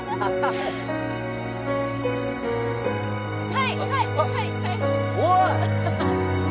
はいはいはい逮捕！